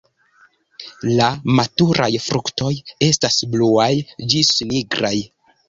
La maturaj fruktoj estas bluaj ĝis nigraj.